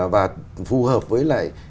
và phù hợp với lại